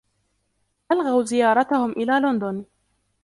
ألغوا زيارتهم إلى لندن.